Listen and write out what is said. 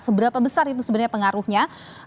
seberapa besar itu sebenarnya pengaruhnya